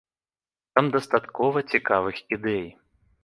Там дастаткова цікавых ідэй.